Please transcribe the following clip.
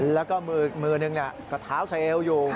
แล้วก็มือหนึ่งก็เท้าเซเอวอยู่